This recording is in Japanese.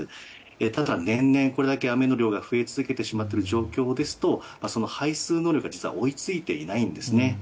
ただ年々、これだけ雨の量が増え続けてしまっている状況ですとその排水能力が実は追い付いていないんですね。